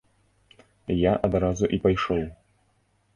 Я адразу і пайшоў.